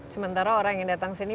sementara orang yang datang sini